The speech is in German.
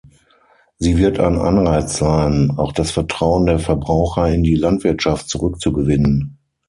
Sie wird ein Anreiz sein, auch das Vertrauen der Verbraucher in die Landwirtschaft zurückzugewinnen.